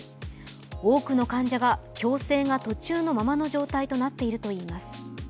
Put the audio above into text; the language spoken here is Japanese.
多くの患者が、矯正が途中のままの状態となっているといいます。